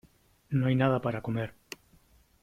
No hay nada para comer.